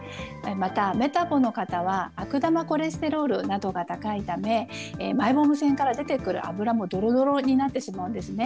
また、メタボの方は悪玉コレステロールなどが高いため、マイボーム腺から出てくる油もどろどろになってしまうんですね。